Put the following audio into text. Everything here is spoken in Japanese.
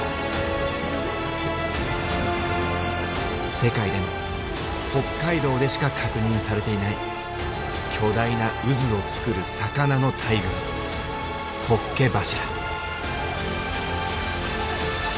世界でも北海道でしか確認されていない巨大な渦を作る魚の大群ホッケ柱。